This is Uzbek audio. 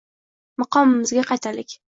Maqomimizga qaytaylik!